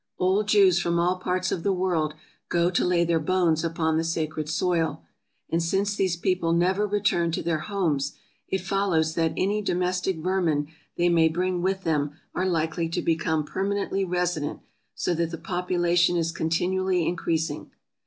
Old Jews from all parts of the world go to lay their bones upon the sacred soil; and since these people never return to their homes, it follows that any do mestic vermin they may bring with them are likely to become permanently resident, so that the population is con tinually increasing.